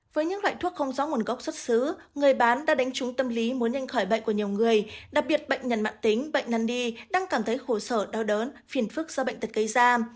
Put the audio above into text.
với những loại thuốc không rõ nguồn gốc xuất xứ người bán đã đánh trúng tâm lý muốn nhanh khỏi bệnh của nhiều người đặc biệt bệnh nhân mạng tính bệnh năn đi tăng cảm thấy khổ sở đau đớn phiền phức do bệnh tật cây ra